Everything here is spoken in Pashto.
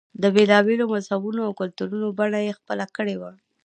د بېلا بېلو مذهبونو او کلتورونو بڼه یې خپله کړې وه.